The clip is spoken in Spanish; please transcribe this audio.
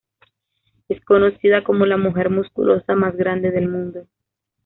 Es conocida como la ""mujer musculosa más grande del mundo"".